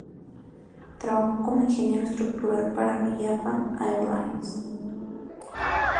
Trabajó como ingeniero estructural para Japan Airlines.